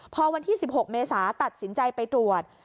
พอวันที่๑๖เมษาตัดสินใจไปตรวจ